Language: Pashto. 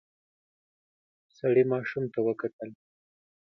سړی ماشوم ته وکتل.